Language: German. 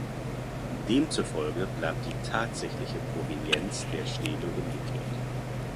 Demzufolge bleibt die tatsächliche Provenienz der Stele ungeklärt.